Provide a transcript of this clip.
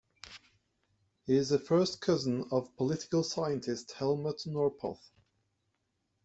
He is a first cousin of political scientist Helmut Norpoth.